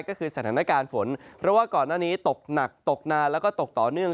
ก็คือสถานการณ์ฝนเพราะว่าก่อนหน้านี้ตกหนักตกนานแล้วก็ตกต่อเนื่อง